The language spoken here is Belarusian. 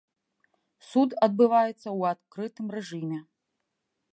Суд адбываецца ў адкрытым рэжыме.